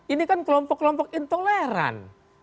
ini kan kelompok kelompok intoleran